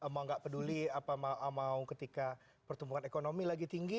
mau nggak peduli apa mau ketika pertumbuhan ekonomi lagi tinggi